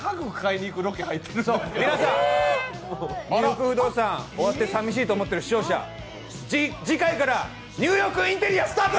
「ニューヨーク不動産」が終わって寂しいと思ってる皆さん、次回からニューヨークインテリア、スタート！